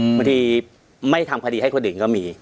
บางทีไม่ทำคดีให้คนอื่นก็มี